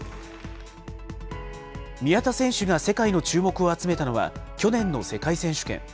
宮田選手が世界の注目を集めたのは、去年の世界選手権。